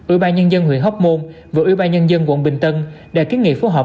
ưu ba nhân dân huyện hóc môn và ưu ba nhân dân quận bình tân đã kiến nghị phối hợp